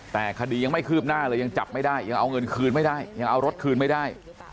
แต่คดียังไม่คืบหน้าเลยยังจับไม่ได้ยังเอาเงินคืนไม่ได้ยังเอารถคืนไม่ได้